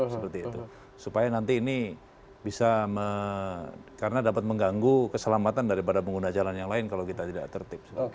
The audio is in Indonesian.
supaya nanti ini bisa karena dapat mengganggu keselamatan daripada pengguna jalan yang lain kalau kita tidak tertip